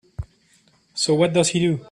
So what does he do?